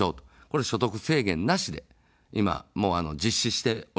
これは所得制限なしで、今も実施しております。